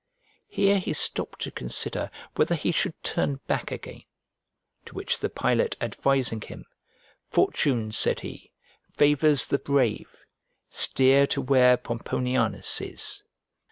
Here he stopped to consider whether he should turn back again; to which the pilot advising him, "Fortune," said he, "favours the brave; steer to where Pomponianus is."